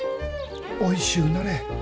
おいしゅうなれ。